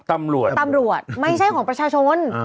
ตำรวจไม่ใช่ของประชาชน